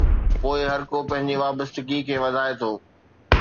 پوءِ هر ڪو پنهنجي وابستگي کي وڌائي ٿو.